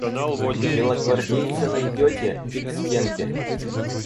Белогвардейца найдете – и к стенке.